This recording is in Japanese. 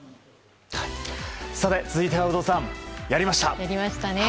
続いては、有働さんやりました！